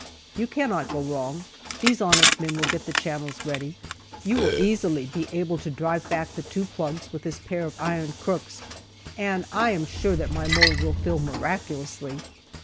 You cannot go wrong; these honest men will get the channels ready; you will easily be able to drive back the two plugs with this pair of iron crooks; and I am sure that my mould will fill miraculously.